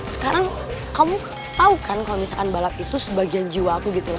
sekarang kamu tau kan kalau misalkan balap itu sebagian jiwa aku gitu loh